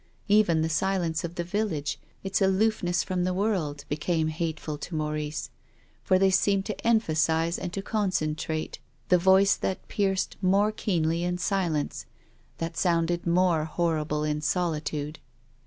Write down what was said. Even the silence of the village, its aloof ness from the world, became hateful to Maurice. I 'or they seemed to emphasise and to concentrate the voice that pierced more keenly in silence, that sounded more horrible in solitude.